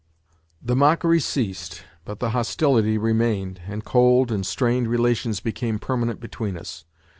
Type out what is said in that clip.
The mockery ceased, but the hostility re mained, and cold and strained relations became permanent between us.